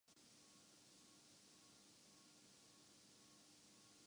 روس کے ملک الشعراء “رسول ھمزہ توف“ کی خوبصورت نظم